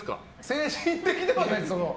精神的ではないです。